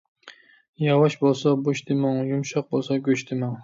ياۋاش بولسا بوش دېمەڭ، يۇمشاق بولسا گۆش دېمەڭ.